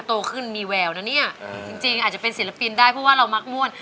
โตขึ้นมีแววนะเนี่ยจริงอาจจะเป็นศิลปินได้เพราะว่าเรามักม่วน